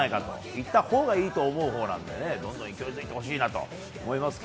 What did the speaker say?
いったほうがいいと思うほうなのでどんどん勢いづいてほしいなと思います。